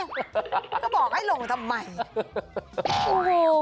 จะบอกให้ลงทำไม